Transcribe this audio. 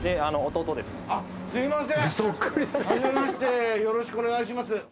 すみません初めましてよろしくお願いします。